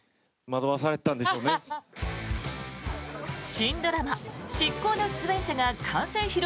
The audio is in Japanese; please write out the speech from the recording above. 新ドラマ「シッコウ！！」の出演者が完成披露